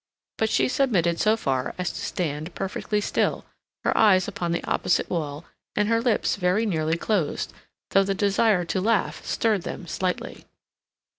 But she submitted so far as to stand perfectly still, her eyes upon the opposite wall, and her lips very nearly closed, though the desire to laugh stirred them slightly.